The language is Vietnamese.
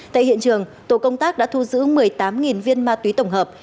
tại hiện trường tổ công tác đã thu giữ một mươi tám viên ma túy tổng hợp